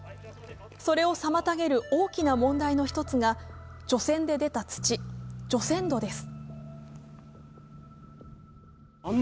それを妨げる大きな問題の一つが、除染で出た土、除染土です。